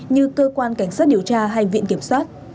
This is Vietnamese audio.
như cơ quan cảnh sát điều tra hay viện kiểm soát